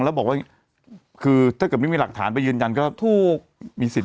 แล้วบอกว่าคือถ้าเกิดไม่มีหลักฐานไปยืนยันก็ถูกมีสิทธิ